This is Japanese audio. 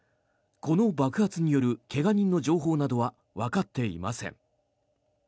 この爆発による怪我人の情報などはわかっていません。